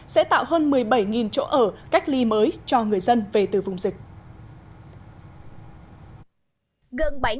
sẽ tạo hơn một mươi bảy chỗ ở cách ly mới cho người dân về từ vùng dịch